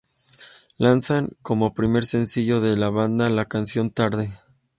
Lanzan como primer sencillo de la banda la canción "Tarde".